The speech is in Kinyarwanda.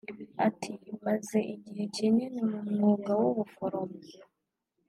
Ati "Maze igihe kinini mu mwuga w’ubuforomo